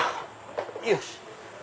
よし！